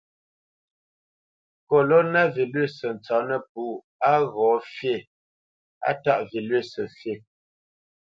Kolona vilʉsǝ tsópnǝpú á ghǒ fí, á taʼ vilʉsǝ fǐ.